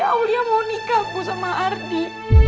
aulia mau nikah bu sama ardi